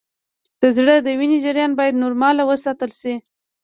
د زړه د وینې جریان باید نورمال وساتل شي